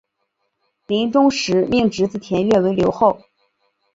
临终时命侄子田悦为留后。